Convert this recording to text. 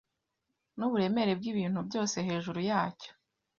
nuburemere bwibintu byose hejuru yacyo